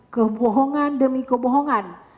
kebohongan demi kebohongan